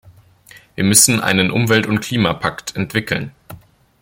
Wir müssen einen Umwelt- und Klimapakt entwickeln.